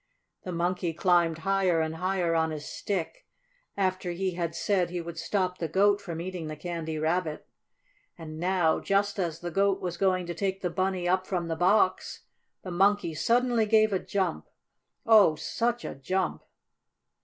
The Monkey climbed higher and higher on his stick, after he had said he would stop the Goat from eating the Candy Rabbit. And now, just as the Goat was going to take the Bunny up from the box, the Monkey suddenly gave a jump! Oh, such a jump!